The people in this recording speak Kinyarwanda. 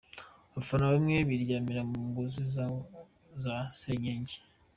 Abafana bamwe biryamira mu nguni za Senyenge.